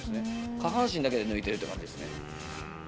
下半身だけで抜いてるって感じですね。